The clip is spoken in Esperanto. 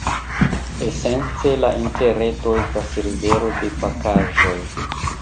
Esence la Interreto estas rivero de pakaĵoj.